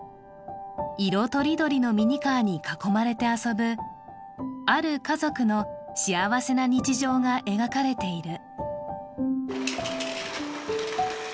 色とりどりのミニカーに囲まれて遊ぶ、ある家族の幸せな日常が描かれている。